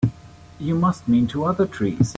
You must mean two other trees.